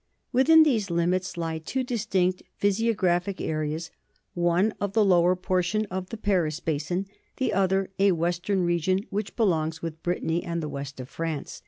Within these limits lie two distinct physiographic areas, one the lower portion of the Paris basin, the other a western region which belongs with Brittany and the west of France.